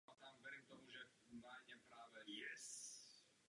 Od té doby patří mezi klasiky filosofie i sociologie.